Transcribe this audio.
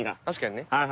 確かにね。